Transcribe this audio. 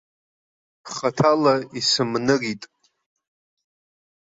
Хаҭала исымнырит.